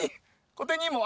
小手兄も。